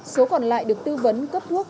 số còn lại được tư vấn cấp thuốc